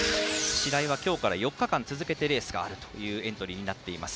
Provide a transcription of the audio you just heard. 白井は今日から４日間続けてレースがあるというエントリーになっています。